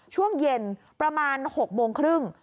ช่วงเย็นประมาณ๖โมงครึ่ง